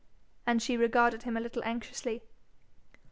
And she regarded him a little anxiously.